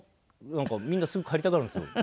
なんかみんなすぐ帰りたがるんですよ。